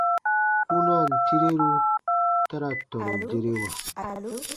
Kpunaan tireru ta ra tɔnu derewa.